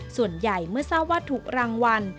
ส่วนใหญ่เมื่อทราบว่าถูกรางวัล